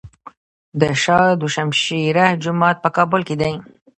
د شاه دوشمشیره جومات په کابل کې دی